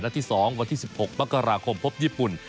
และที่๒วันที่๑๖มกราคมพบญี่ปุ่น